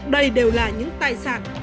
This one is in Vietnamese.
đây đều là những tài sản